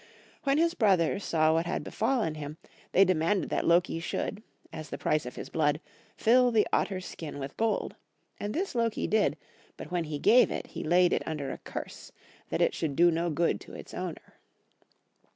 When his brothers saw what had befallen him, they demanded that Loki should, as the price of his blood, fill the otter's skin with gold ; and this Loki did, but when he gave it, he laid it under a curse, that it should do no good to its owner.